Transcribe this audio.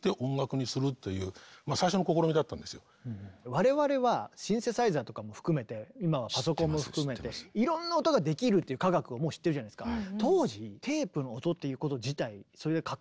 我々はシンセサイザーとかも含めて今はパソコンも含めていろんな音ができるっていう科学をもう知ってるじゃないですか。